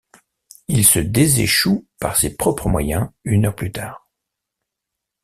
Il se déséchoue par ses propres moyens une heure plus tard.